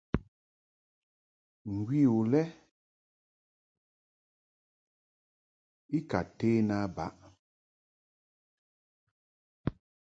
Ngwi u lɛ i ka ten a baʼ.